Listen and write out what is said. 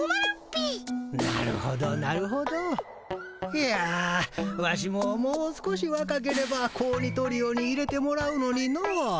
いやワシももう少しわかければ子鬼トリオに入れてもらうのにのう。